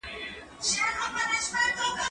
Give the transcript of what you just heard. دا لیک له هغه مهم دی؟!